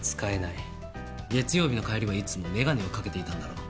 月曜日の帰りはいつも眼鏡をかけていたんだろう。